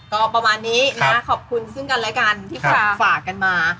ก็ประมาณนี้นะขอบคุณซึ่งกันและกันที่ฝากกันมา